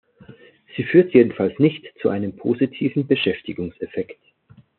Sie führt jedenfalls nicht zu einem positiven Beschäftigungseffekt.